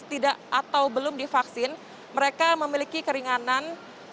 tidak atau belum divaksin mereka memiliki keringanan